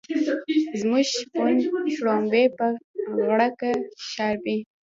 زموږ شپون شړومبی په غړکه کې شاربي.